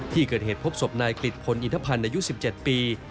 ที่เกิดเห็นศพนายกฤทธิ์ผลอินทภัณฑ์ในยุค๑๗ปี